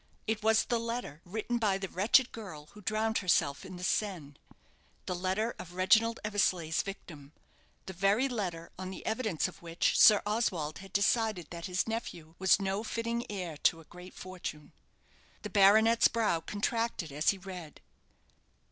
It was the letter written by the wretched girl who drowned herself in the Seine the letter of Reginald Eversleigh's victim the very letter on the evidence of which Sir Oswald had decided that his nephew was no fitting heir to a great fortune. The baronet's brow contracted as he read.